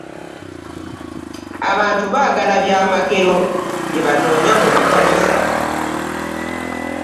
Abantu baagala byamagero byebanoonya mu makanisa.